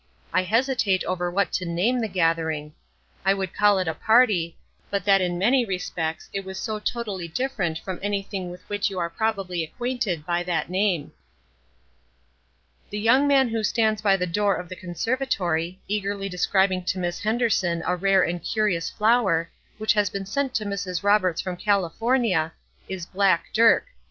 I hesitate over what to name the gathering. I would call it a party, but that in many respects it was so totally different from anything with which you are probably acquainted by that name. The young man who stands by the door of the conservatory, eagerly describing to Miss Henderson a rare and curious flower, which has been sent to Mrs. Roberts from California, is "black Dirk."